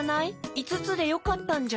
いつつでよかったんじゃ。